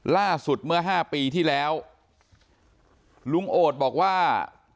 ล่าสุดเมื่อห้าปีที่แล้วลุงโอดบอกว่า